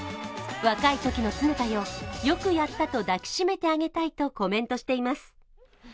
若いときの常田よ、よくやったと抱き締めてあげたいとコメントしています。